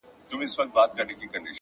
زړه یوسې او پټ یې په دسمال کي کړې بدل،